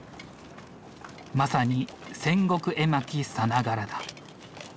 まさに戦国絵巻さながらだ。